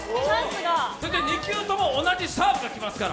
２球とも同じサーブが来ますから。